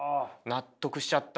納得しちゃった？